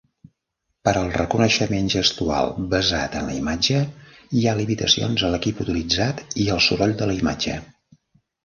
Per al reconeixement gestual basat en la imatge, hi ha limitacions a l'equip utilitzat i al soroll de la imatge.